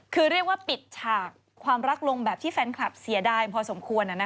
คือเรียกว่าปิดฉากความรักลงแบบที่แฟนคลับเสียดายพอสมควร